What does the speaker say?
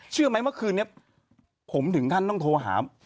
เชื่อไหมเมื่อคืนนี้ผมถึงขั้นต้องโทรหา